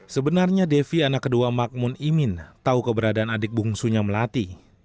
sebenarnya devi anak kedua magmun imin tahu keberadaan adik bungsunya melati